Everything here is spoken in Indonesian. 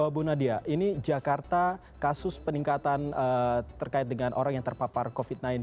bu nadia ini jakarta kasus peningkatan terkait dengan orang yang terpapar covid sembilan belas